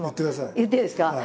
言っていいですか？